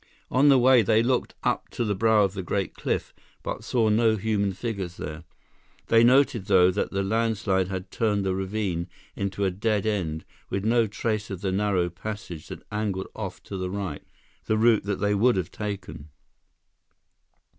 On the way, they looked up to the brow of the great cliff, but saw no human figures there. They noted though, that the landslide had turned the ravine into a dead end, with no trace of the narrow passage that angled off to the right, the route that they would have taken.